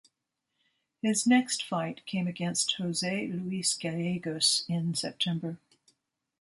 His next fight came against Jose Luis Gallegos in September.